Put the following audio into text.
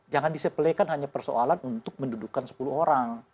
jangan disepelekan hanya persoalan untuk mendudukan sepuluh orang